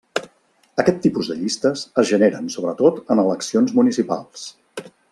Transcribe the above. Aquest tipus de llistes es generen sobretot en eleccions municipals.